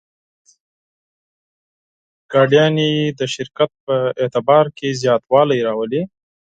موټرونه د شرکت په اعتبار کې زیاتوالی راولي.